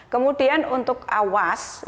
kemudian untuk awas